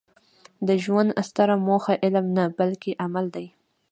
د ژوند ستره موخه علم نه؛ بلکي عمل دئ.